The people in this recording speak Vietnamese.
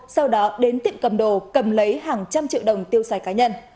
sau đó đến tiệm cầm đồ cầm lấy hàng trăm triệu đồng tiêu xài cá nhân